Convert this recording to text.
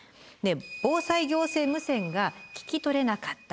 「防災行政無線が聞き取れなかった」